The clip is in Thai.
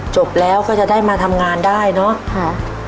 จบแล้วก็จะได้มาทำงานได้เนอะค่ะ